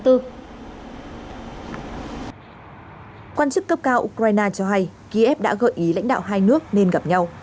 quan chức cấp cao ukraine cho hay kiev đã gợi ý lãnh đạo hai nước nên gặp nhau